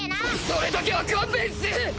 それだけは勘弁っす！